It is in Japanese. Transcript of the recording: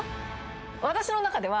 私の中では。